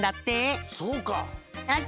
そうか！